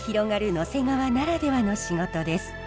野迫川ならではの仕事です。